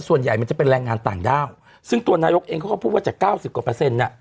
ส่วนใหญ่มันจะเป็นแรงงานต่างด้าวซึ่งตัวนายกเองเขาก็พูดว่าจากเก้าสิบกว่าเปอร์เซ็นต์น่ะ